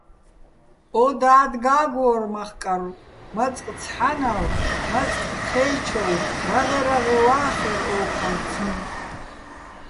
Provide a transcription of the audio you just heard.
ო დად გა́გვო́რ მახკარვ, მაწყ ცჰ̦ანავ, მაწყ ჴე́ჩოვ, რაღე-რაღე ვა́ხერ ო́ჴარციჼ.